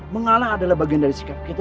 mengalah adalah bagian dari sikap kita